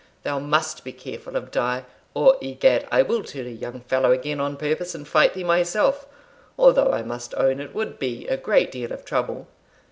Thou must be careful of Die, or, egad, I will turn a young fellow again on purpose, and fight thee myself, although I must own it would be a great deal of trouble.